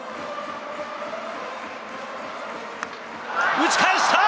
打ち返した！